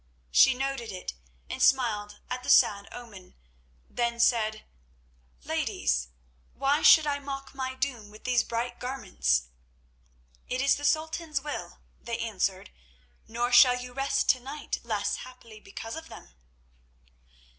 She noted it and smiled at the sad omen, then said: "Ladies, why should I mock my doom with these bright garments?" "It is the Sultan's will," they answered; "nor shall you rest to night less happily because of them."